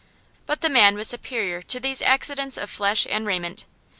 But the man was superior to these accidents of flesh and raiment.